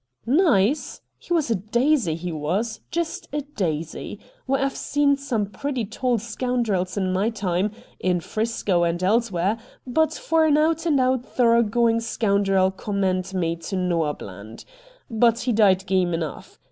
' Nice ! He was a daisy, he was — just a daisy. Why I've seen some pretty tall scoun drels in my time, in 'Frisco and elsewhere, but for an out and out thoroughgoing scoundrel, commend me to Noah Bland. But he died game enough.